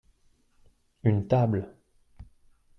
une table.